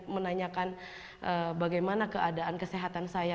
menanyakan bagaimana keadaan kesehatan saya